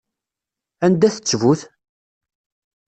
Anda-t ttbut?